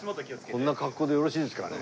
こんな格好でよろしいですかね？